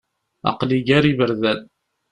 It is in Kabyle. Aqli gar iberdan.